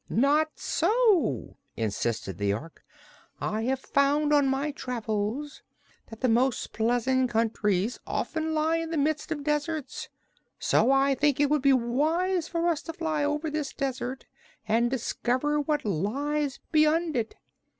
"Not so," insisted the Ork. "I have found, on my travels, that the most pleasant countries often lie in the midst of deserts; so I think it would be wise for us to fly over this desert and discover what lies beyond it.